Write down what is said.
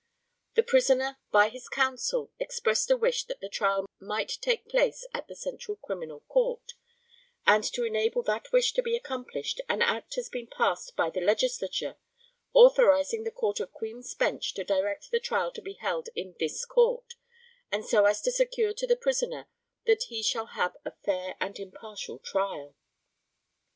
The prisoner, by his counsel, expressed a wish that the trial might take place at the Central Criminal Court; and to enable that wish to be accomplished an act has been passed by the Legislature, authorising the Court of Queen's Bench to direct the trial to be held in this Court, so as to secure to the prisoner that he shall have a fair and impartial trial.